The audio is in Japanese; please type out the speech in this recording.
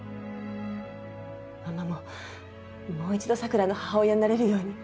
ママももう一度桜の母親になれるように頑張るから。